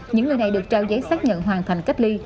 những người này được trao giấy xác nhận hoàn thành cách ly